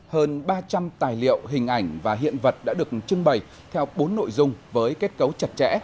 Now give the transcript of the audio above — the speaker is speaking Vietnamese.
hơn ba trăm linh tài liệu hình ảnh và hiện vật đã được trưng bày theo bốn nội dung với kết cấu chặt chẽ